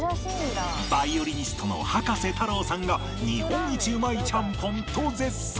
バイオリニストの葉加瀬太郎さんが「日本一うまいちゃんぽん」と絶賛！